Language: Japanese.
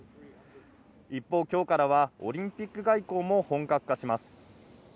一方、今日からはオリンピック外交も本格化します。